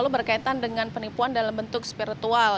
berkaitan dengan penipuan dalam bentuk spiritual